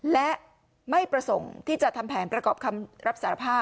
และไม่ประสงค์ที่จะทำแผนประกอบคำรับสารภาพ